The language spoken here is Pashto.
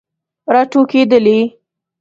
راټوکیدلې